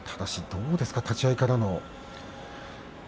どうですか立ち合いからの貴景勝は。